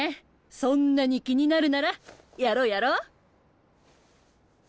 そんなに気になるならやろうやろう。